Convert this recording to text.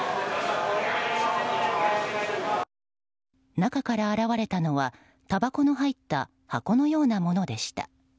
中から現れたのはたばこの入った箱のようなものでした。